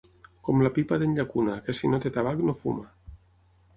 Com la pipa d'en llacuna, que si no té tabac, no fuma.